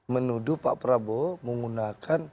menuduh pak prabowo menggunakan